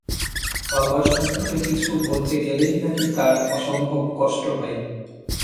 বাবার সম্পর্কে কিছু বলতে গেলেই তাঁর নাকি অসম্ভব কষ্ট হয়।